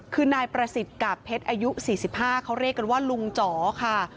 คือนายประสิทธิ์กาบเพชรอายุ๔๕เขาเรียกกันว่าลุงจ๋อค่ะ